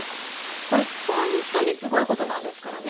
これ本当にすごいことなんですからね！